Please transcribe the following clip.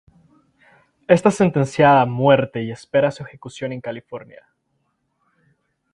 Está sentenciada a muerte y espera su ejecución en California.